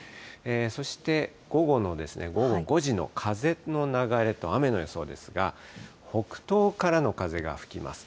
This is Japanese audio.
そして午後の、午後５時の風の流れと雨の予想ですが、北東からの風が吹きます。